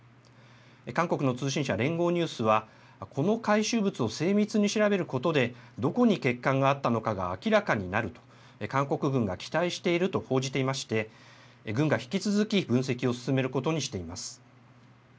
韓国の通信社、連合ニュースは、この回収物を精密に調べることで、どこに欠陥があったのかが明らかになると、韓国軍が期待していると報じていまして、軍が引き続き分析を進めることにしています。